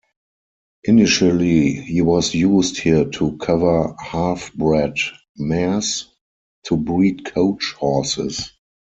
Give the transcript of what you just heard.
Initially he was used here to cover "half-bred" mares to breed coach horses.